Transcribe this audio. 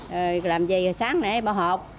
rồi làm gì rồi sáng nãy bỏ hộp